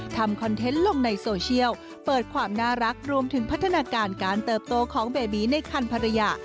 คอนเทนต์ลงในโซเชียลเปิดความน่ารักรวมถึงพัฒนาการการเติบโตของเบบีในคันภรรยา